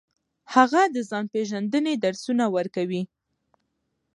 هغه د ځان پیژندنې درسونه ورکوي.